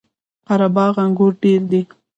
قره باغ انګور ډیر دي؟